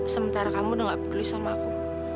sementara kamu udah nggak bergulis sama aku